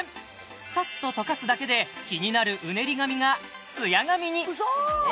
サッととかすだけで気になるうねり髪がツヤ髪に！